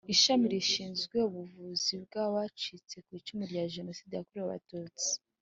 Ishami rishinzwe ubuvugizi bw abacitse ku icumu rya jenoside yakorewe abatutsi